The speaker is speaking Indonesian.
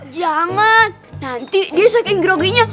jangan nanti dia sakit groginya